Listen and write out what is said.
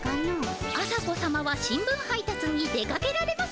朝子さまは新聞配たつに出かけられます